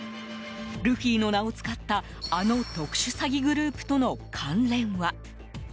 ルフィの名を使った、あの特殊詐欺グループとの関連は？